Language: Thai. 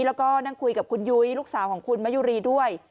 แล้วก็นั่งคุยกับคุณยุ้ยลูกสาวของคุณมะยุรีด้วย